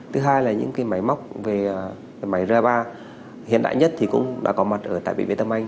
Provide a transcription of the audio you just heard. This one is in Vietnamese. thứ hai là những cái máy móc về máy grep a hiện đại nhất thì cũng đã có mặt ở tại bệnh viện đa khoa tâm anh